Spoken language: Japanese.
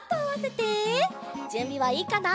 じゅんびはいいかな？